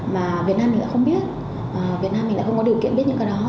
mà việt nam mình đã không biết việt nam mình đã không có điều kiện biết những cái đó